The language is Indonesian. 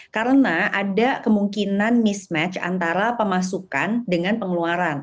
karena ada kemungkinan mismatch antara pemasukan dengan pengeluaran